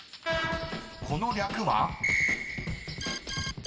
［この略は？］